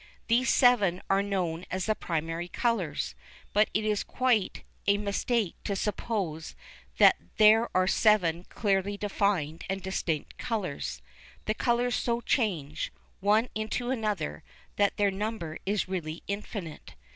These seven are known as the "primary colours," but it is quite a mistake to suppose that there are seven clearly defined and distinct colours. The colours so change, one into another, that their number is really infinite.